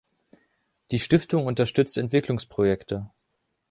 Die Stiftung unterstützt Entwicklungsprojekte.